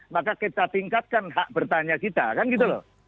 maka kita tingkatkan hak bertanya kita kan gitu loh